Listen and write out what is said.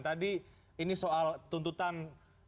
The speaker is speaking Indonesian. tadi ini soal tuntutan yang disampaikan oleh pak dhani